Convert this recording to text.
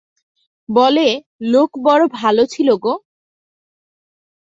বলে, লোক বড় ভালো ছিল গো।